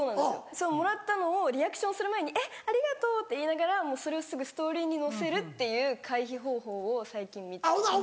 もらったのをリアクションする前にありがとう！って言いながらそれをすぐストーリーに載せるっていう回避方法を最近見つけた。